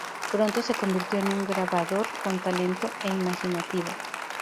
Pronto se convirtió en un grabador con talento e imaginativo.